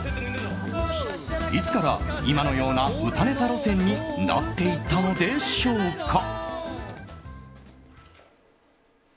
いつから今のような歌ネタ路線になったのでしょうか。